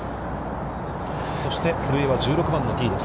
そして、古江は１６番のティーです。